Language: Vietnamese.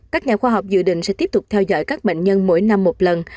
các nhà khoa học dự định sẽ tiếp tục theo dõi các bệnh nhân mỗi năm một lần